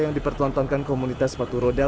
yang dipertontonkan komunitas sepatu roda